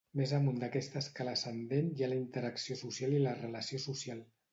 Més amunt d'aquesta escala ascendent hi ha la interacció social i la relació social.